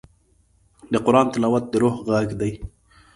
د قرآن تلاوت د روح غږ دی.